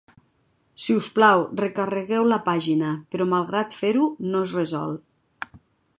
Si us plau, recarregueu la pàgina, però malgrat fer-ho no es resol.